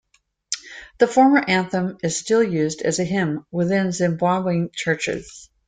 The former anthem is still used as a hymn within Zimbabwean churches.